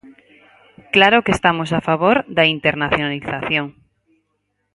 Claro que estamos a favor da internacionalización.